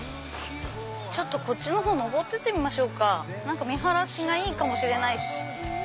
こっち上ってってみましょうか見晴らしがいいかもしれないし。